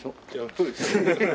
そうです。